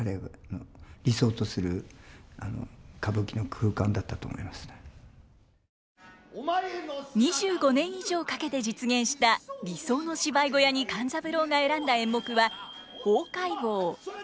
小劇場でそのそれで２５年以上かけて実現した「理想の芝居小屋」に勘三郎が選んだ演目は「法界坊」。